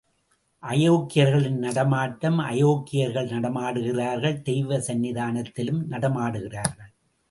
அயோக்கியர்களின் நடமாட்டம் அயோக்கியர்கள் நடமாடுகிறார்கள் தெய்வ சன்னிதானத்திலும் நடமாடுகிறார்கள்.